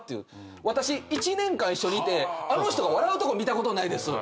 「私１年間一緒にいてあの人が笑うとこ見たことないです」